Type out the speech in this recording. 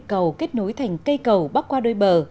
cầu kết nối thành cây cầu bắc qua đôi bờ